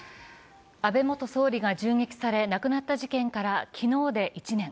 安倍元総理が銃撃され亡くなった事件から昨日で１年。